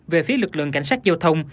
về phía lực lượng cảnh sát giao thông